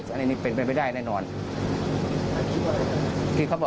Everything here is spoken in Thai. ก็ได้พลังเท่าไหร่ครับ